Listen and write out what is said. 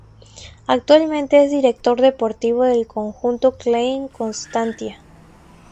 Actualmente es director deportivo del conjunto Klein Constantia.